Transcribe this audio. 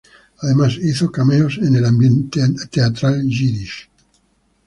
Además hizo cameos en el ambiente teatral Yiddish.